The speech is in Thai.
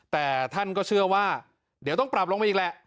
แต่ท่านก็เชื่อว่าเดี๋ยวต้องปรับลงไปอีกแหละ